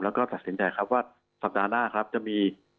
แล้วก็ตัดสินใจครับว่าสัปดาห์หน้าครับจะมี